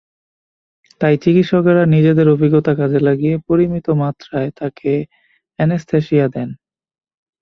তাই চিকিৎসকেরা নিজেদের অভিজ্ঞতা কাজে লাগিয়ে পরিমিত মাত্রায় তাকে অ্যানেসথেসিয়া দেন।